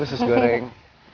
udah ada usus goreng